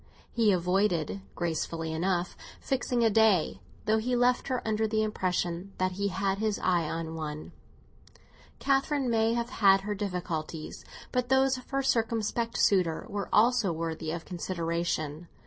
He avoided, gracefully enough, fixing a day, though he left her under the impression that he had his eye on one. Catherine may have had her difficulties; but those of her circumspect suitor are also worthy of consideration.